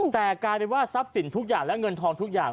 แต่กลายเป็นว่าทรัพย์สินทุกอย่างและเงินทองทุกอย่าง